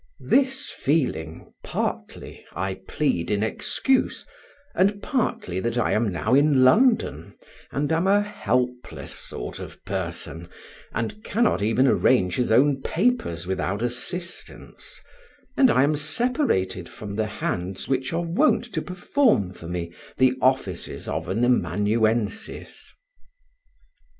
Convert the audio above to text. This feeling partly I plead in excuse, and partly that I am now in London, and am a helpless sort of person, who cannot even arrange his own papers without assistance; and I am separated from the hands which are wont to perform for me the offices of an amanuensis.